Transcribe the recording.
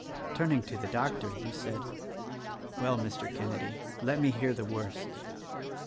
Turning to the doctor he said, "Well, Mr. Kenedy, let me hear the worst."